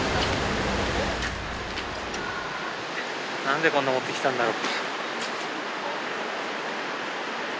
なんでこんな持ってきたんだろう。